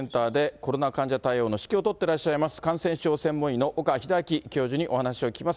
コロナ患者対応の指揮を執っていらっしゃいます、感染症専門医の岡秀昭教授にお話を聞きます。